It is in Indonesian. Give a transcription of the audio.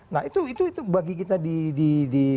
nah itu itu bagi kita di di di